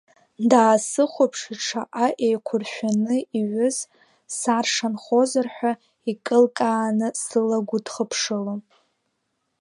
Даасыхәаԥшит шаҟа еиқәыршәаны иҩыз саршанхозар ҳәа икылкааны сылагәы дхыԥшыло.